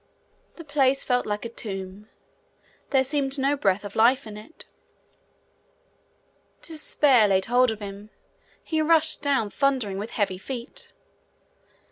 The place felt like a tomb. There seemed no breath of life left in it. Despair laid hold upon him; he rushed down thundering with heavy feet.